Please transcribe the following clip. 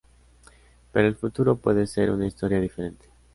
Pero el futuro puede ser una historia diferente.